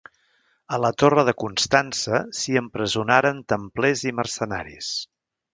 A la torre de Constança, s'hi empresonaren templers i mercenaris.